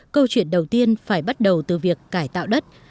câu chuyện đầu tiên phải bắt đầu từ việc cải tạo đất